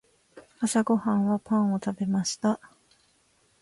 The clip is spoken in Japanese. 朝ごはんはパンを食べました。